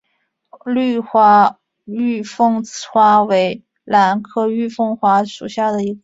绿花玉凤花为兰科玉凤花属下的一个种。